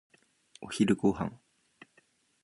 お昼ご飯。